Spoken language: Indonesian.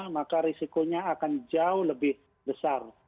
maka risikonya akan jauh lebih besar